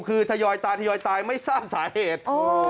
คือทยอยตาทยอยตายไม่ทราบสาเหตุ